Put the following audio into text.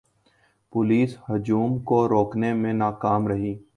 police ہجوم کو روکنے میں ناکام رہی